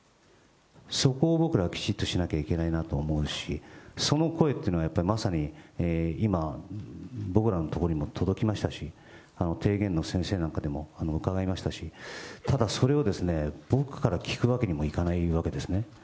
そこを僕らはきちっとしなきゃいけないなと思うし、その声っていうのは、まさに今、僕らのところにも届きましたし、提言の先生なんかでも伺いましたし、ただそれをですね、僕から聞くわけにもいかないわけですね。